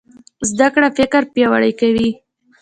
زده کړه فکر پیاوړی کوي.